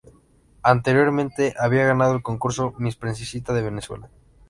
Anteriormente había ganado el concurso Miss Princesita de Venezuela.